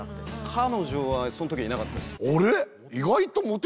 彼女はその時はいなかったです